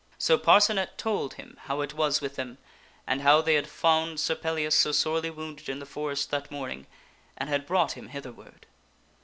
So Parcenet told him how it was with them, and of how they had found Sir Pellias so sorely wounded in the forest that morning and had brought him hither ward.